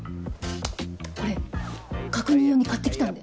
これ確認用に買ってきたんで！